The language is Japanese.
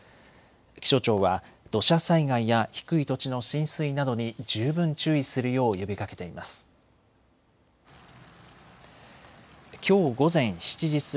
気象庁は土砂災害や低い土地の浸水などに十分注意するよう呼びかけています。